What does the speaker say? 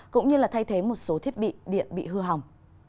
cũng như thay thế một số thiết bị điện bị hư hỏng